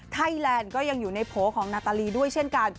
ไทยแลนด์ก็ยังอยู่ในโผล่ของนาตาลีด้วยเช่นกัน